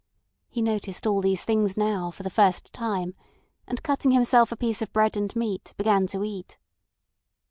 He noticed all these things now for the first time, and cutting himself a piece of bread and meat, began to eat.